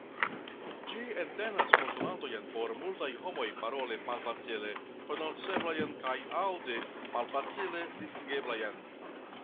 Ĝi entenas konsonantojn por multaj homoj parole malfacile prononceblajn kaj aŭde malfacile distingeblajn.